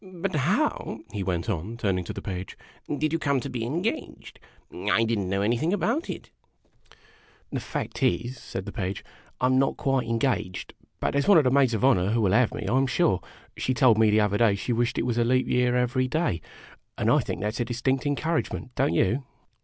But how," he went on, turning to the Page, " did you come to be engaged ? I did n't know anything about it ?"" The fact is," said the Page, " I 'm not quite engaged ; but there 's one of the maids of honor who will have me, I 'm sure. She told me the other day that she wished it was leap year every day ; and I think that 's a distinct encouragement, don't you